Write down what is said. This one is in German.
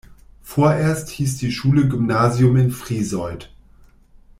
Vorerst hieß die Schule "Gymnasium in Friesoythe".